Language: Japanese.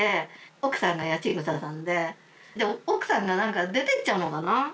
奥さんが八千草さんで奥さんが何か出てっちゃうのかな？